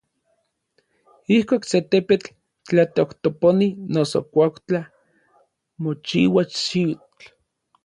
Ijkuak se tepetl tlatojtoponi noso kuaujtla mochiua xiutl.